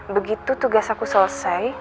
begitu tugas aku selesai